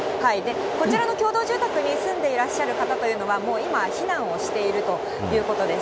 こちらの共同住宅に住んでいらっしゃる方というのは、もう今は避難をしているということです。